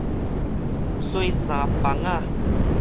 洗衫枋仔